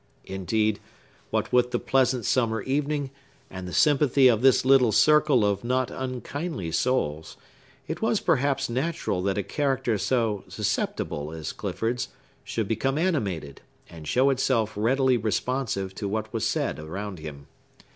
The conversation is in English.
Indeed, what with the pleasant summer evening, and the sympathy of this little circle of not unkindly souls, it was perhaps natural that a character so susceptible as Clifford's should become animated, and show itself readily responsive to what was said around him.